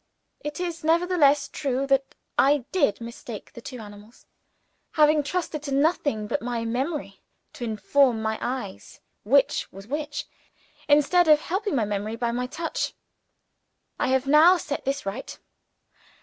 It is nevertheless true that I did mistake the two animals; having trusted to nothing but my memory to inform my eyes which was which, instead of helping my memory by my touch. I have now set this right.